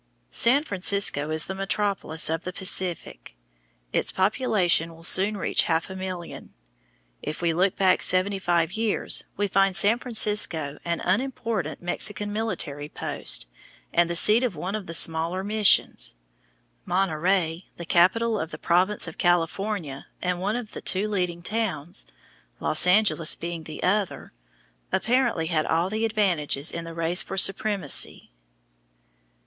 San Francisco is the metropolis of the Pacific; its population will soon reach half a million. If we look back seventy five years we find San Francisco an unimportant Mexican military post and the seat of one of the smaller missions. Monterey, the capital of the province of California and one of the two leading towns (Los Angeles being the other), apparently had all the advantages in the race for supremacy.